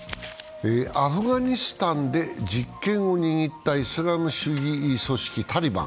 アフガニスタンで実験を握ったイスラム主義組織タリバン。